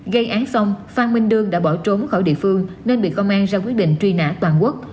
gây án xong phan minh đương đã bỏ trốn khỏi địa phương nên bị công an ra quyết định truy nã toàn quốc